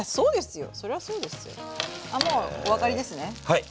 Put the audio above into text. はい。